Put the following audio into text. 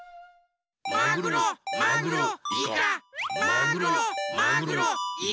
マグロマグロイカマグロマグロイカマグロ。